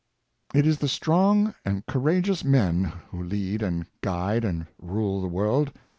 It is the strong and courageous men who lead and guide and rule the world.